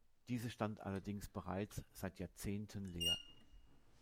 Diese stand allerdings bereits seit Jahrzehnten leer.